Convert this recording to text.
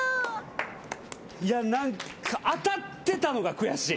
いや何か当たってたのが悔しい。